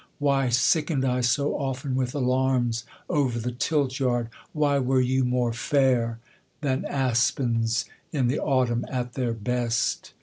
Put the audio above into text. Why sicken'd I so often with alarms Over the tilt yard? Why were you more fair Than aspens in the autumn at their best?